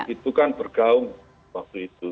itu kan bergaung waktu itu